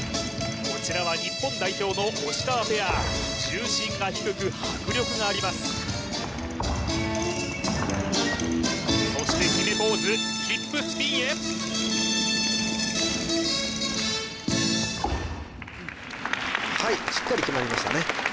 こちらは日本代表の押川ペア重心が低く迫力がありますそしてキメポーズヒップスピンへはいしっかり決まりましたね